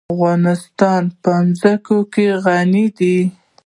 افغانستان په ځمکه غني دی.